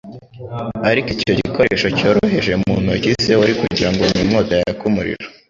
ariko icyo gikoresho cyoroheje mu ntoki ze wari kugira ngo ni inkota yaka umuriro.